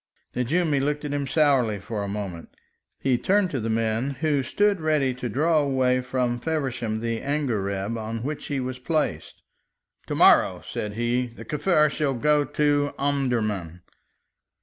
Nejoumi looked at him sourly for a moment. He turned to the men who stood ready to draw away from Feversham the angareb on which he was placed: "To morrow," said he, "the Kaffir shall go to Omdurman."